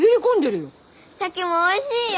シャケもおいしいよ！